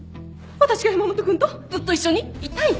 私が山本君とずっと一緒にいたい？